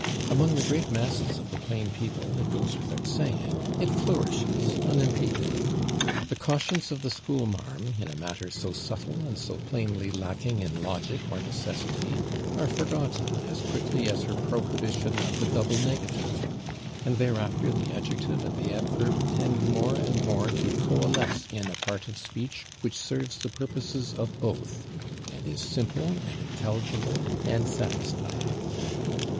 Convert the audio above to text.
Among [Pg227] the great masses of the plain people, it goes without saying, it flourishes unimpeded. The cautions of the school marm, in a matter so subtle and so plainly lacking in logic or necessity, are forgotten as quickly as her prohibition of the double negative, and thereafter the adjective and the adverb tend more and more to coalesce in a part of speech which serves the purposes of both, and is simple and intelligible and satisfying.